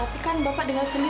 tapi kan bapak dengar sendiri